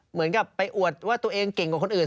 เหมือนกับไปอวดว่าตัวเองเก่งกว่าคนอื่น